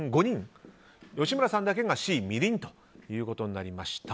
吉村さんだけがＣ、みりんということになりました。